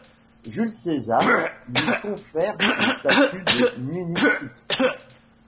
Jules César lui confère le statut de municipe.